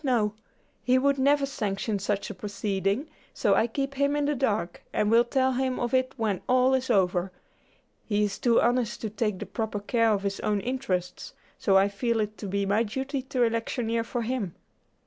no; he would never sanction such a proceeding, so I keep him in the dark, and will tell him of it when all is over. He is too honest to take the proper care of his own interests, so I feel it to be my duty to electioneer for him."